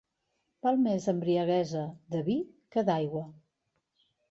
Val més embriaguesa de vi que d'aigua.